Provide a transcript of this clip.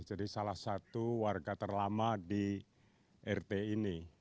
jadi salah satu warga terlama di rt ini